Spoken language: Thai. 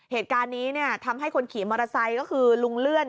เหตุการณ์นี้ทำให้คนขี่มอเตอร์ไซค์ก็คือลุงเลื่อน